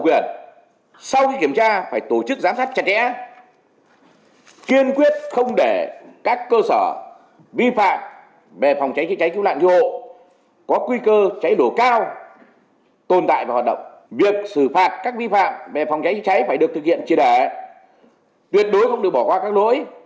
việc tổng kiểm tra phải được triển khai liệt toàn diện đối với một trăm linh các cơ sở thuộc diện quản lý về phòng cháy chữa cháy và cứu nạn cứu hộ phân công các địa phương phải trực tiếp chỉ đạo việc tổng kiểm tra ra soát